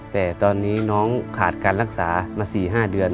แต่ตอนนี้น้องขาดการรักษามา๔๕เดือน